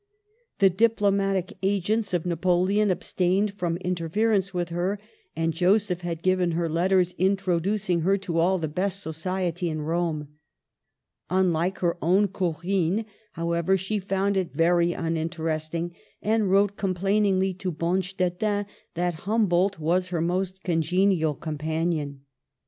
The diplomatic agents of Napoleon abstained from interference with her, and Joseph had given her letters introducing her to all the best society in Rome. Unlike her own Corinne, however, she found it very uninterest ing, and wrote complainingly to Bonstetten that Humboldt was her most congenial companion.